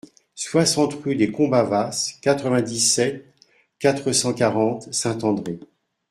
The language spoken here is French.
soixante rue des Combavas, quatre-vingt-dix-sept, quatre cent quarante, Saint-André